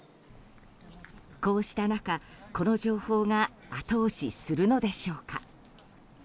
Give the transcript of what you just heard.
こうした中、この情報が後押しするのでしょうか。